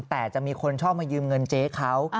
แต่จะมีคนชอบมายืมเงินเจ๊เขา